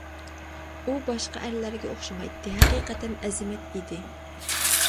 ئۇ باشقا ئەرلەرگە ئوخشىمايتتى، ھەقىقەتەن ئەزىمەت ئىدى.